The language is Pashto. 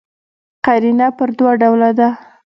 قرینه پر دوه ډوله ده.